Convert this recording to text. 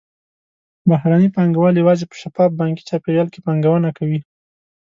بهرني پانګهوال یوازې په شفاف بانکي چاپېریال کې پانګونه کوي.